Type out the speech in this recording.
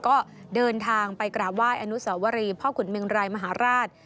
ก็เดินทางไปกราบไหว้อนุสวรีพ่อขุนเมงรายมหาราช